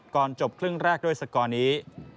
ก่อนจบครึ่งแรกด้วยสกอร์นี้